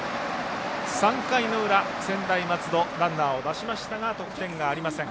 ３回の裏、専大松戸ランナーを出しましたが得点はありません。